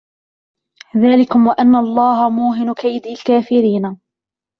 ذَلِكُمْ وَأَنَّ اللَّهَ مُوهِنُ كَيْدِ الْكَافِرِينَ